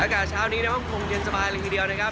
อากาศเช้านี้ก็คงเย็นสบายเลยทีเดียวนะครับ